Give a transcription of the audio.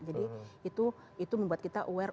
jadi itu membuat kita aware